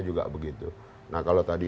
juga begitu nah kalau tadi